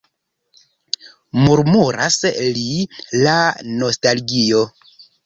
Murmuras li, la nostalgio!